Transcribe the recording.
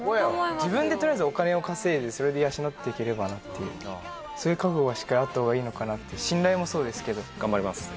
自分で取りあえずお金を稼いでそれで養っていければなっていうそういう覚悟はしっかりあった方がいいのかなって信頼もそうですけど頑張ります